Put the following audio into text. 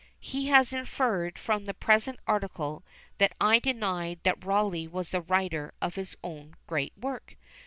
He has inferred from the present article, that I denied that Rawleigh was the writer of his own great work!